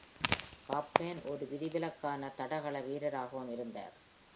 Kaufmann ஒரு விதிவிலக்கான தடகள வீரராகவும் இருந்தார்.